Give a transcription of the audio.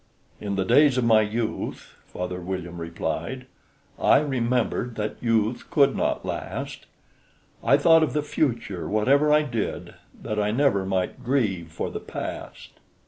"In the days of my youth," Father William replied, "I remembered that youth could not last; I thought of the future, whatever I did, That I never might grieve for the past."